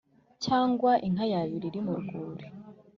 cyangwa inka yabira iri mu rwuri’